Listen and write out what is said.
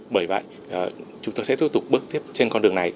bởi vậy chúng tôi sẽ tiếp tục bước tiếp trên con đường này